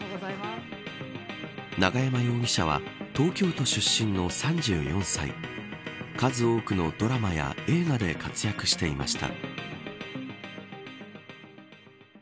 永山容疑者は東京都出身の３４歳数多くのドラマや映画で活躍していました。